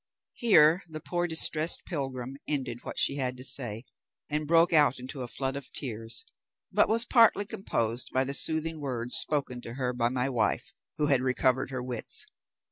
"Here the poor distressed pilgrim ended what she had to say, and broke out into a flood of tears, but was partly composed by the soothing words spoken to her by my wife, who had recovered her wits.